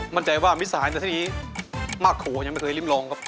มั่นใจว่ามิสัยในเส้นนี้มากโถยังไม่เคยริมลองครับ